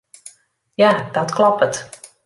Ja, dat kloppet.